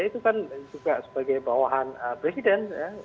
itu kan juga sebagai bawahan presiden